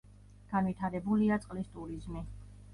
განვითარებულია წყლის ტურიზმი.